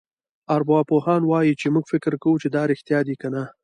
ارواپوهان وايي چې موږ فکر کوو چې دا رېښتیا دي کنه.